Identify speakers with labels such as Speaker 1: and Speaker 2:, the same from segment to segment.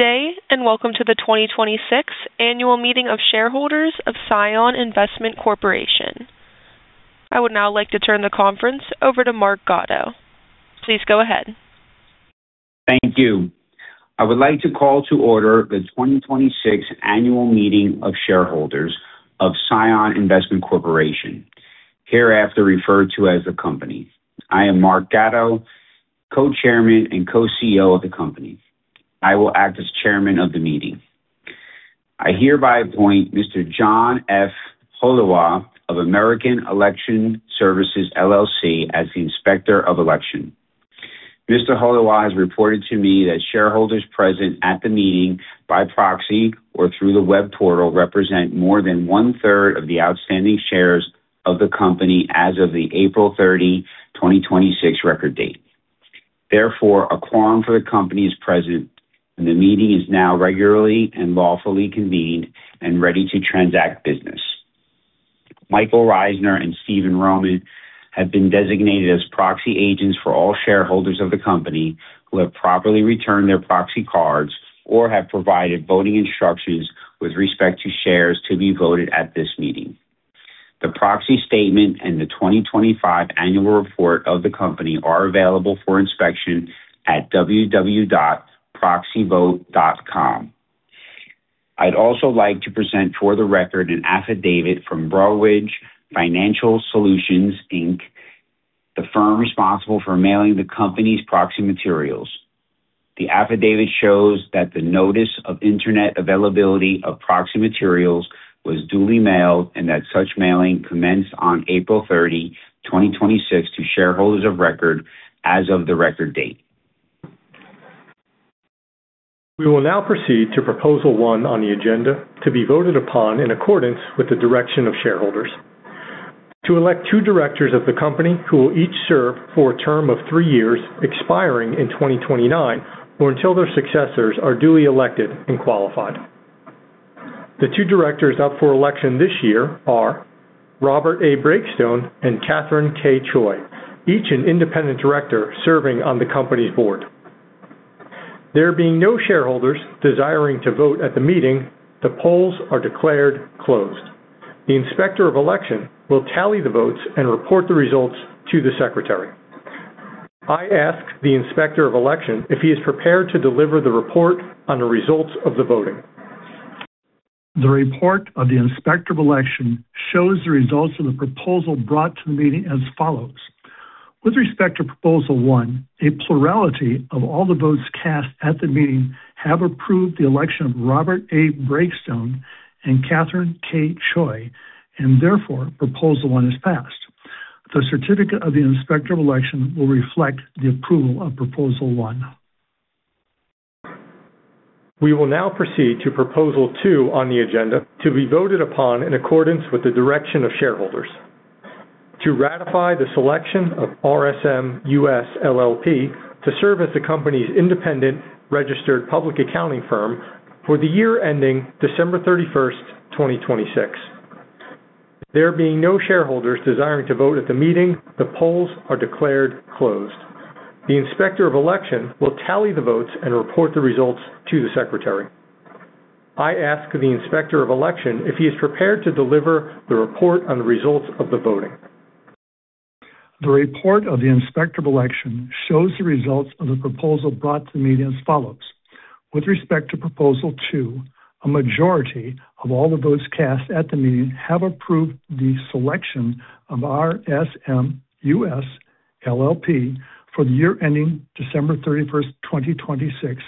Speaker 1: Good day, welcome to the 2026 Annual Meeting of Shareholders of Cion Investment Corporation. I would now like to turn the conference over to Mark Gatto. Please go ahead.
Speaker 2: Thank you. I would like to call to order the 2026 Annual Meeting of Shareholders of Cion Investment Corporation, hereafter referred to as the company. I am Mark Gatto, Co-Chairman and Co-CEO of the company. I will act as Chairman of the meeting. I hereby appoint Mr. John F. Holowach of American Election Services, LLC, as the Inspector of Election. Mr. Holowach has reported to me that shareholders present at the meeting by proxy or through the web portal represent more than one-third of the outstanding shares of the company as of the April 30, 2026, record date. Therefore, a quorum for the company is present, and the meeting is now regularly and lawfully convened and ready to transact business. Michael A. Reisner and Stephen Roman have been designated as proxy agents for all shareholders of the company who have properly returned their proxy cards or have provided voting instructions with respect to shares to be voted at this meeting. The proxy statement and the 2025 annual report of the company are available for inspection at www.proxyvote.com. I'd also like to present for the record an affidavit from Broadridge Financial Solutions, Inc., the firm responsible for mailing the company's proxy materials. The affidavit shows that the notice of internet availability of proxy materials was duly mailed and that such mailing commenced on April 30, 2026, to shareholders of record as of the record date.
Speaker 3: We will now proceed to proposal one on the agenda to be voted upon in accordance with the direction of shareholders. To elect two directors of the company who will each serve for a term of three years, expiring in 2029 or until their successors are duly elected and qualified. The two directors up for election this year are Robert A. Breakstone and Catherine K. Choi, each an independent director serving on the company's board. There being no shareholders desiring to vote at the meeting, the polls are declared closed. The Inspector of Election will tally the votes and report the results to the secretary. I ask the Inspector of Election if he is prepared to deliver the report on the results of the voting.
Speaker 4: The report of the Inspector of Election shows the results of the proposal brought to the meeting as follows. With respect to proposal one, a plurality of all the votes cast at the meeting have approved the election of Robert A. Breakstone and Catherine K. Choi, and therefore, proposal one is passed. The certificate of the Inspector of Election will reflect the approval of proposal one.
Speaker 3: We will now proceed to proposal two on the agenda to be voted upon in accordance with the direction of shareholders. To ratify the selection of RSM US LLP to serve as the company's independent registered public accounting firm for the year ending December 31st, 2026. There being no shareholders desiring to vote at the meeting, the polls are declared closed. The Inspector of Election will tally the votes and report the results to the secretary. I ask the Inspector of Election if he is prepared to deliver the report on the results of the voting.
Speaker 4: The report of the Inspector of Election shows the results of the proposal brought to the meeting as follows. With respect to proposal two, a majority of all the votes cast at the meeting have approved the selection of RSM US LLP for the year ending December 31st, 2026,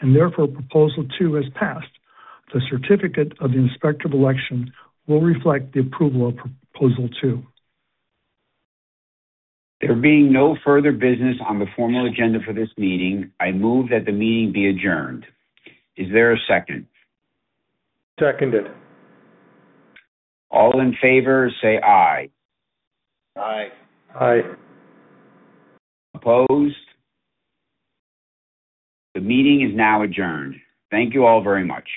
Speaker 4: and therefore, proposal two is passed. The certificate of the Inspector of Election will reflect the approval of proposal two.
Speaker 2: There being no further business on the formal agenda for this meeting, I move that the meeting be adjourned. Is there a second?
Speaker 3: Seconded.
Speaker 2: All in favor say aye.
Speaker 4: Aye.
Speaker 3: Aye.
Speaker 2: Opposed? The meeting is now adjourned. Thank you all very much.